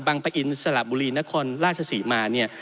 ปะอินสระบุรีนครราชศรีมาเนี่ย